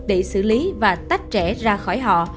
để xử lý và tách trẻ ra khỏi họ